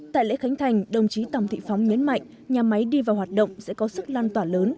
tại lễ khánh thành đồng chí tòng thị phóng nhấn mạnh nhà máy đi vào hoạt động sẽ có sức lan tỏa lớn